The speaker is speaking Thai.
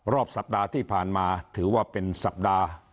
สัปดาห์ที่ผ่านมาถือว่าเป็นสัปดาห์